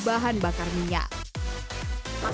bahan bakar minyak